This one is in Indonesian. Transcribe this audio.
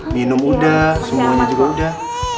minum udah semuanya juga udah